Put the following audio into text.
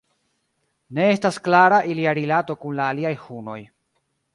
Ne estas klara ilia rilato kun la aliaj hunoj.